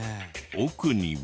奥には。